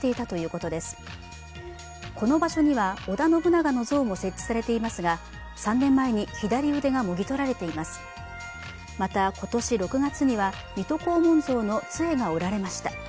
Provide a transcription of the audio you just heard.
この場所には、織田信長の像も設置されていますが３年前に左腕がもぎ取られていますまた、今年６月には水戸黄門像の杖が折られました。